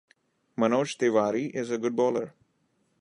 Manoj Tiwari is a good bowler.